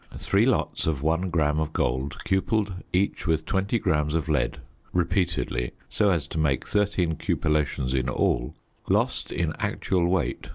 Three lots of 1 gram of gold cupelled each with 20 grams of lead repeatedly, so as to make 13 cupellations in all, lost in actual weight 35.